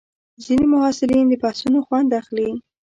ځینې محصلین د بحثونو خوند اخلي.